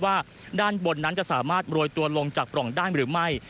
ว่าด้านบนนั้นจะสามารถโรยตัวลงจากปล่องได้หรือไม่